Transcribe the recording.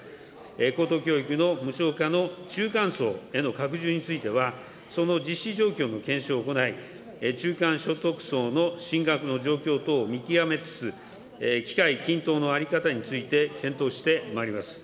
高等教育の無償化の中間層への拡充については、その実施状況の検証を行い、中間所得層の進学の状況等を見極めつつ、機会均等の在り方について、検討してまいります。